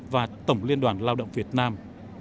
và tổng liên đoàn lao động việt nam